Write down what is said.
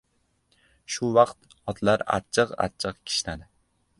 Shu vaqt otlar achchiq-achchiq kishnadi.